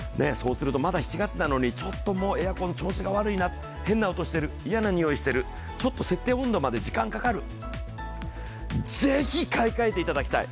まだ７月なのに、エアコン調子が悪いなとか、変な音している、嫌な臭いしているちょっと設定温度まで時間がかかる、ぜひ買い替えていただきたい。